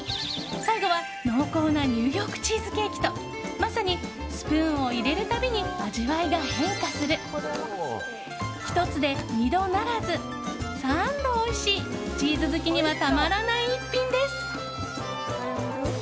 最後は、濃厚なニューヨークチーズケーキとまさにスプーンを入れるたびに味わいが変化する１つで２度ならず３度おいしいチーズ好きにはたまらない一品です。